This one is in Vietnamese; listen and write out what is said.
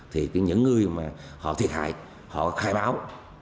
thì những người mà họ thiệt hại họ khai báo